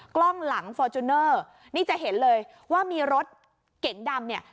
กล้องหลังฟอร์จูเนอร์นี่จะเห็นเลยว่ามีรถเก๋งดำเนี่ย